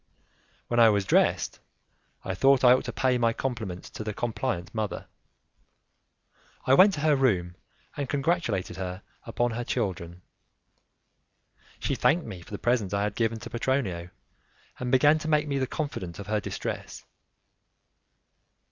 When I was dressed, I thought I ought to pay my compliments to the compliant mother. I went to her room, and congratulated her upon her children. She thanked me for the present I had given to Petronio, and began to make me the confidant of her distress.